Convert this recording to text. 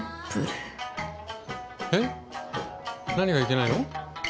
えっ何がいけないの？